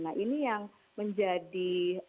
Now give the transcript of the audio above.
nah ini yang menjadi